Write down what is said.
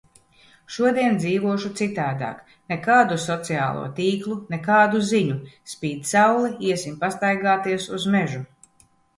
Šodien dzīvošu citādāk. Nekādu sociālo tīklu, nekādu ziņu! Spīd saule, iesim pastaigāties. Uz mežu.